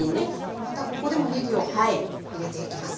またここでもねぎを入れていきますね。